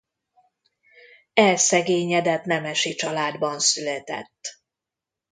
Elszegényedett nemesi családban született.